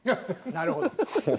なるほど。